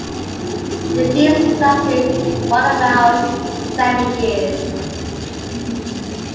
The peace lasted for about seven years.